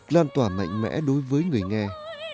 làn tỏa mạnh mẽ đối với người nhạc sĩ